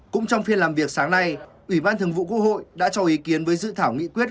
cũng trong phiên làm việc sáng nay ủy ban thường vụ quốc hội đã cho ý kiến với dự thảo nghị quyết